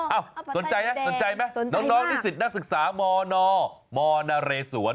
สนใจนะสนใจไหมน้องนิสิตนักศึกษามนมนเรศวร